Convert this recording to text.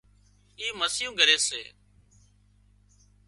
اِي مسيون ڳريس سي